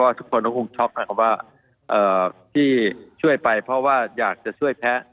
ทุกคนก็คงช็อกนะครับว่าที่ช่วยไปเพราะว่าอยากจะช่วยแพ้